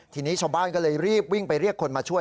ทีนี้ชาวบ้านก็เลยรีบวิ่งไปเรียกคนมาช่วย